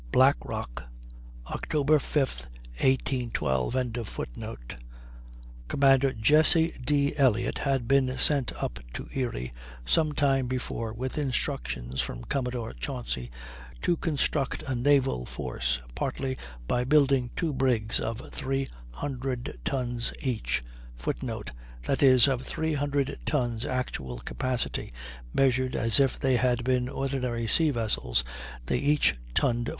Black Rock. Oct. 5, 1812.] Commander Jesse D. Elliott had been sent up to Erie some time before with instructions from Commodore Chauncy to construct a naval force, partly by building two brigs of 300 tons each, [Footnote: That is, of 300 tons actual capacity; measured as if they had been ordinary sea vessels they each tonned 480.